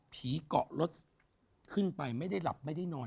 เกาะรถขึ้นไปไม่ได้หลับไม่ได้นอน